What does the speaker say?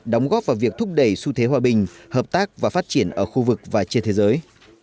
đóng góp vào việc thúc đẩy xu thế hòa bình hợp tác và phát triển ở khu vực và trên thế giới